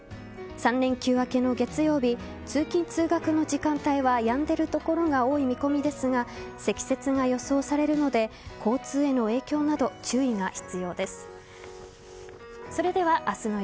３連休明けの月曜日通勤、通学の時間帯はやんでいる所が多い見込みですが積雪が予想されるので交通への影響など注意が必要です。